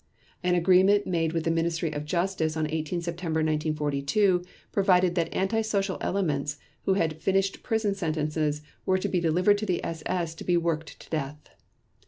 An agreement made with the Ministry of Justice on 18 September 1942 provided that anti social elements who had finished prison sentences were to be delivered to the SS to be worked to death.